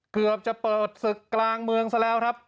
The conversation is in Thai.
เกือบจะเปิดศึกกลางเมืองซะแล้วครับ